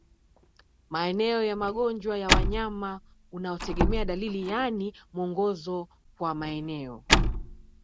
maeneo ya Magonjwa ya Wanyama unaotegemea Dalili yaani mwongozo kwa maeneo